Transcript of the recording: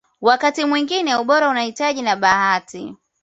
Wakati mwingine ubora unahita na bahati